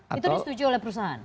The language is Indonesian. itu disetujui oleh perusahaan